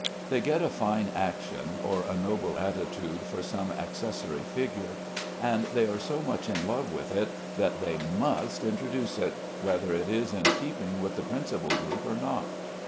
They get a fine action or a noble attitude for some accessory figure, and they are so much in love with it that they must introduce it, whether it is in keeping with the principal group or not.